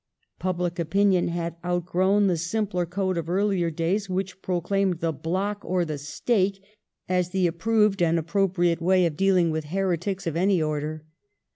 Public opinion had outgrown the simpler code of earlier days, which proclaimed the block or the stake as the approved 1702 14 THE PEOTESTANT DISSENTERS. 393 and appropriate way of dealing with heretics of any order.